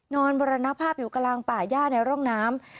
มรณภาพอยู่กลางป่าย่าในร่องน้ำ